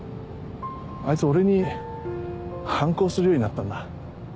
あいつ俺に反抗するようになったんだ。